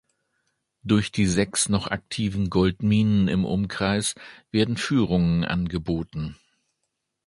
Durch die sechs noch aktiven Goldminen im Umkreis werden Führungen angeboten.